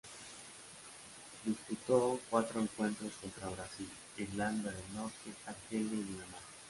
Disputó cuatro encuentros contra Brasil, Irlanda del Norte, Argelia y Dinamarca.